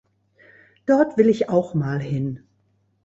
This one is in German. Dort will ich auch mal hin.